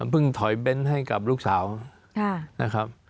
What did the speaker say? เพิ่งถอยเบนให้กับลูกสาวนะครับ